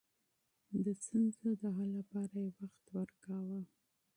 د ستونزو د حل لپاره يې وخت ورکاوه.